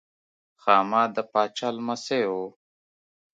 خاما د پاچا لمسی و.